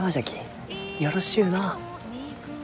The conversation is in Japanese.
よろしゅうのう。